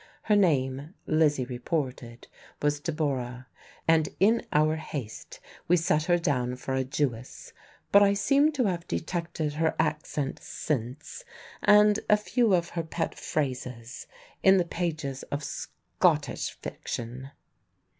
Her name (Lizzie reported) was Deborah, and in our haste we set her down for a Jewess; but I seem to have detected her accent since, and a few of her pet phrases, in the pages of Scottish fiction.